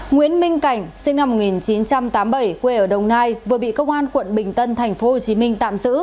nguyễn minh cảnh sinh năm một nghìn chín trăm tám mươi bảy quê ở đồng nai vừa bị công an quận bình tân tp hcm tạm giữ